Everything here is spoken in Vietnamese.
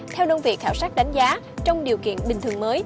theo đơn vị khảo sát đánh giá trong điều kiện bình thường mới